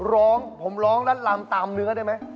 ร้องผมร้องรัดลำตามเนื้อได้ไหม